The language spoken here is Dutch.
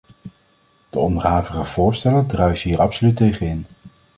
De onderhavige voorstellen druisen hier absoluut tegen in.